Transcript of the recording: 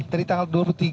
dari tanggal dua puluh tiga